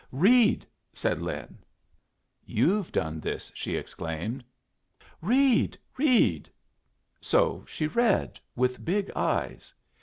"Read," said Lin. "You've done this!" she exclaimed. "Read, read!" So she read, with big eyes.